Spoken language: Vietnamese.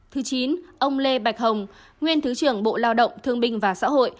thứ chín ông lê bạch hồng nguyên thứ trưởng bộ lao động thương binh và xã hội